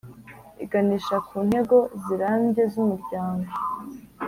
iganisha ku ntego zirambye z’umuryango,